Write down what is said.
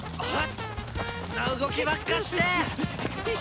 あっ！